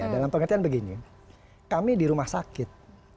dalam pengertian begini kami di rumah sakit